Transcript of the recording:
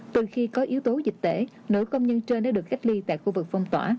từ khi có yếu tố dịch tễ nữ công nhân trên đã được cách ly tại khu vực phong tỏa